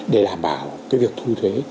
để đảm bảo cái việc thuế